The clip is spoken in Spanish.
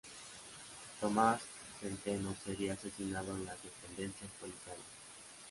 Tomás Centeno sería asesinado en las dependencias policiales.